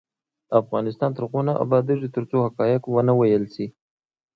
افغانستان تر هغو نه ابادیږي، ترڅو حقایق ونه ویل شي.